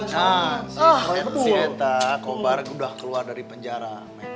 nah si eta kobar udah keluar dari penjara